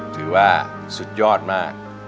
ถือว่าสุดยอดมาก